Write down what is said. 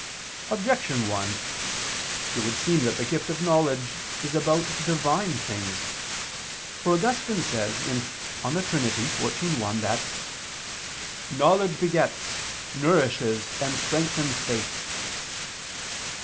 Objection 1: It would seem that the gift of knowledge is about Divine things. For Augustine says (De Trin. xiv, 1) that "knowledge begets, nourishes and strengthens faith."